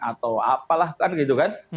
atau apalah kan gitu kan